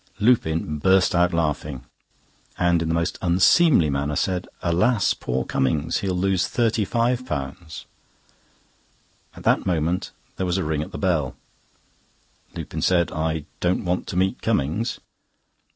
Lupin burst out laughing, and, in the most unseemly manner, said: "Alas, poor Cummings. He'll lose £35." At that moment there was a ring at the bell. Lupin said: "I don't want to meet Cummings."